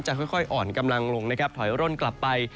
ค่อยอ่อนกำลังลงนะครับถอยร่นกลับไป